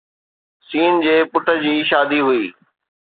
س جي پٽ جي شادي هئي